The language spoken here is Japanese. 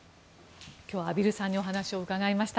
今日は畔蒜さんにお話を伺いました。